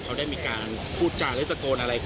เขาได้มีการพูดจาได้ตะโกนอะไร